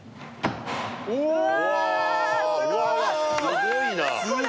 すごいな！